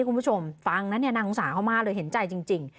คุณผู้ชมฟังนะเนี่ยนางงุษาเข้ามาเลยเห็นใจจริงจริง